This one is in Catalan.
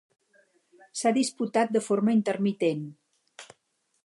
S'ha disputat de forma intermitent.